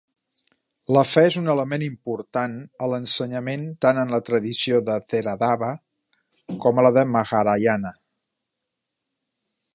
La fe és un element important a l'ensenyament tant en la tradició de Theravada com en la de Mahayana.